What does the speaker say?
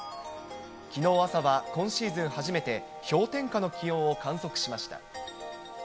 きのう朝は、今シーズン初めて氷点下の気温を観測しました。